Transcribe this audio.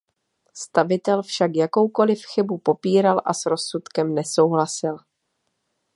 Stavitel však jakoukoliv chybu popíral a s rozsudkem nesouhlasil.